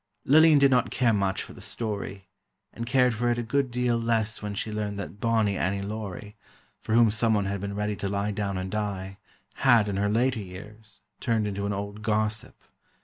Lillian did not care much for the story, and cared for it a good deal less when she learned that Bonnie Annie Laurie, for whom someone had been ready to lie down and die, had, in her later years, turned into an old gossip.